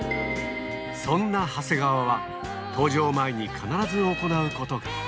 そんな長谷川は、搭乗前に必ず行うことが。